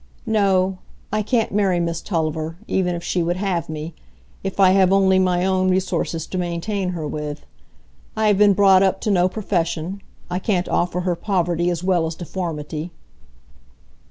"No; I can't marry Miss Tulliver, even if she would have me, if I have only my own resources to maintain her with. I have been brought up to no profession. I can't offer her poverty as well as deformity."